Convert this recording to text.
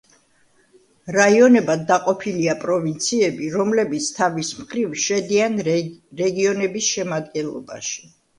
რაიონებად დაყოფილია პროვინციები, რომლებიც თავის მხრივ შედიან რეგიონების შემადგენლობაში.